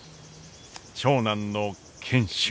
長男の賢秀。